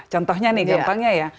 contohnya nih gampangnya ya